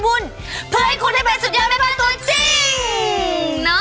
บุญเพื่อให้คุณได้เป็นสุดยอดแม่บ้านตัวจริง